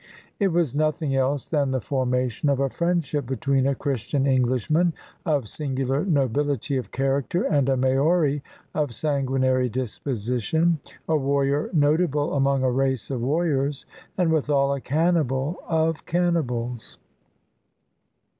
It was nothing else than the formation of a friendship between a Chris tian Englishman of singular nobility of character and a Maori of sanguinary disposition, a warrior notable among a race of warriors and, withal, a cannibal of can nibals.